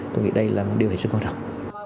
tôi nghĩ đây là một điều rất quan trọng